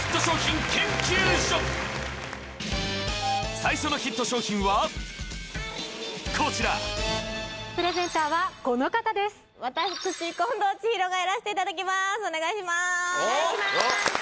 最初のヒット商品はこちらプレゼンターはこの方です近藤千尋がやらせていただきますお願いします